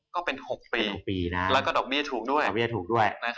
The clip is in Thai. ก็เป็น๖ปีแล้วก็ดอกเบี้ยถูกด้วย